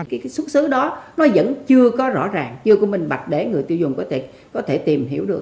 cái xuất xứ đó nó vẫn chưa có rõ ràng chưa có minh bạch để người tiêu dùng có thể có thể tìm hiểu được